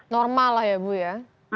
normal lah ya bu ya